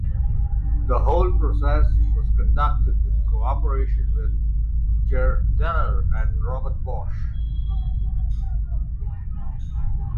The whole process was conducted in cooperation with Goerdeler and Robert Bosch.